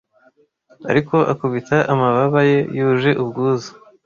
Ariko akubita amababa ye yuje ubwuzu